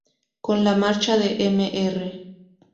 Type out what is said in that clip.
Con la marcha de Mr.